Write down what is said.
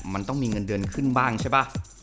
มันต้องมีเงินเดือนขึ้นบ้างใช่ป่ะ